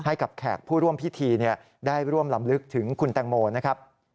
แขกผู้ร่วมพิธีได้ร่วมลำลึกถึงคุณแตงโมนะครับ